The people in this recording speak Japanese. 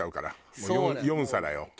もう４皿よ。